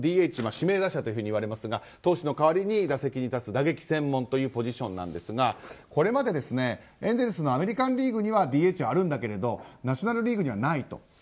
ＤＨ、指名打者と言われますが投手の代わりに打席に立つ打撃専門というポジションですがこれまで、エンゼルスのアメリカン・リーグにはＤＨあるんだけれどもナショナル・リーグにはないと。